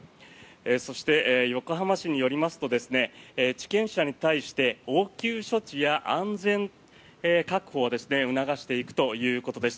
そして横浜市によりますと地権者に対して応急処置や安全確保を促していくということです。